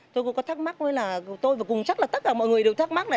tôi cũng có thắc mắc với là tôi và cùng chắc là tất cả mọi người đều thắc mắc này